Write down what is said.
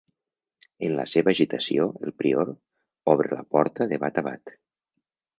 En la seva agitació, el prior obre la porta de bat a bat.